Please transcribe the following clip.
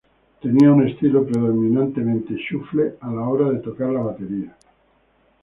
Tenía un estilo predominantemente Shuffle a la hora de tocar la batería.